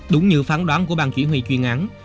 đúng như phán đoán của ban chỉ huy chuyên án